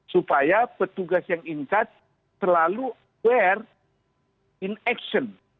supaya petugas yang ingkat selalu aware in action